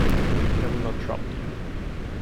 I will not trouble you.